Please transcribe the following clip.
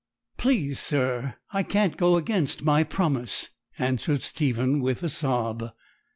'Please, sir, I can't go against my promise,' answered Stephen, with a sob.